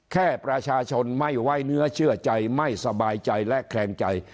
แค่ประชาชนไม่ไว้เนื้อเชื่อใจไม่สบายใจและแคลงใจ